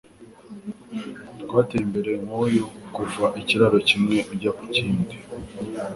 Twateye imbere nkuyu kuva ikiraro kimwe ujya kurindi